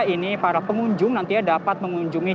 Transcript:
ini para pengunjung nantinya dapat mengunjungi